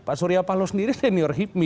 pak surya pahlaw sendiri senior hibmi